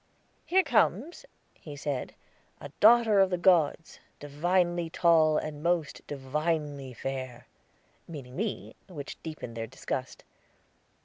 "Here comes," he said, "'a daughter of the gods, divinely tall, and most divinely fair.'" Meaning me, which deepened their disgust.